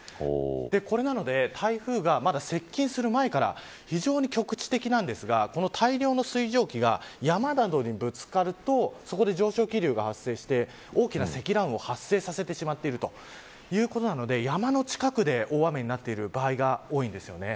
これなので台風がまだ接近する前から非常に局地的なんですがこの大量の水蒸気が山などにぶつかるとそこで上昇気流が発生して大きな積乱雲を発生させてしまっているということなので山の近くで大雨になっている場合が多いんです。